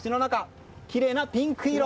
きれいなピンク色。